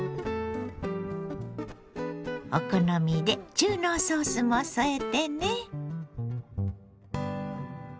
お好みで中濃ソースも添えてね。